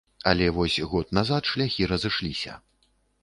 Але вось, год назад шляхі разышліся.